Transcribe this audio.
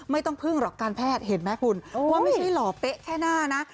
ไม่ต้องพึ่งหรอกการแพทย์เห็นไหมคุณว่าไม่ใช่หล่อเป๊ะแค่หน้านะ